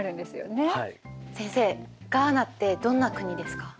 ガーナってどんな国ですか？